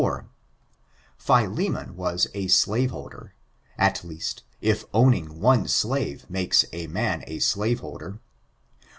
— Philemon was a slaveholder, at least, if owning one slavo makes a roan a slaveholder.